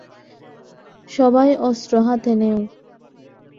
সবাই অস্ত্র হাতে নেও।